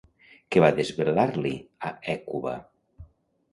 Què va desvelar-li a Hècuba?